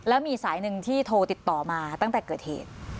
แล้วมีสายหนึ่งที่โทรติดต่อมาตั้งแต่เกิดเหตุ